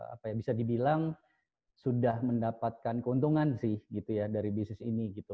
apa ya bisa dibilang sudah mendapatkan keuntungan sih gitu ya dari bisnis ini gitu